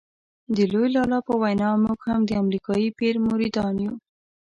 د لوی لالا په وینا موږ هم د امریکایي پیر مریدان یو.